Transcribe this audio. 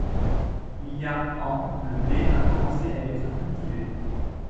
Il y a ans, le blé a commencé à être cultivé.